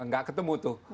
gak ketemu tuh